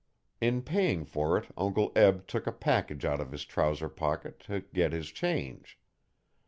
In paying for it Uncle Eb took a package out of his trouser pocket to get his change.